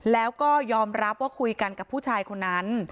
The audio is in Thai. แล้วก็ยอมรับว่าคุยกันกับผู้ชายคนนั้น